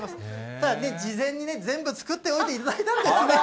ただね、事前に全部作っておいていただいたんですよ。